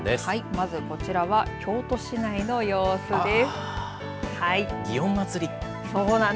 まずこちらは京都市内の様子です。